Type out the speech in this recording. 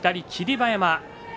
馬山